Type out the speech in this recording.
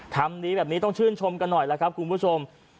ทำดีแบบนี้ต้องชื่นชมกันหน่อยล่ะครับคุณผู้ชม